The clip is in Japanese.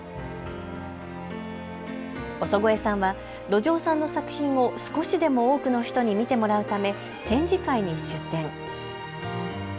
尾曽越さんは路上さんの作品を少しでも多くの人に見てもらうため展示会に出展。